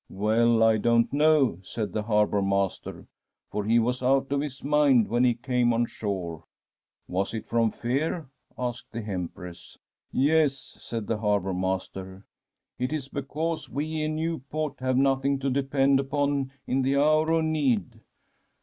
' Well, I don't know/ said the harbour master, ' for he was out of his mind when he came on shore.' ' Was it from fear? ' asked the Empress. ' Yes,' said the harbour master ;' it is because we in Nieuport have nothing to depend upon in the hour of need.